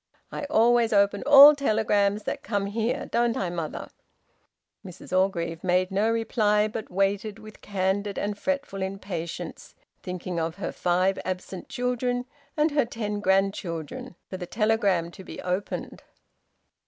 I always open all telegrams that come here, don't I, mother?" Mrs Orgreave made no reply, but waited with candid and fretful impatience, thinking of her five absent children, and her ten grandchildren, for the telegram to be opened.